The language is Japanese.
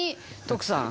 徳さん。